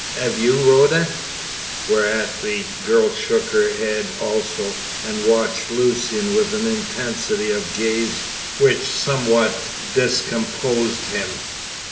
'Ave you, Rhoda?" Whereat the girl shook her head also, and watched Lucian with an intensity of gaze which somewhat discomposed him.